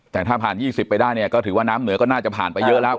แต่ถ้าผ่าน๒๐ไปได้เนี่ยก็ถือว่าน้ำเหนือก็น่าจะผ่านไปเยอะแล้ว